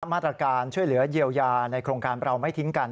มาตรการช่วยเหลือเยียวยาในโครงการเราไม่ทิ้งกัน